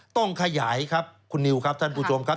ต้องขยายครับคุณนิวครับท่านผู้ชมครับ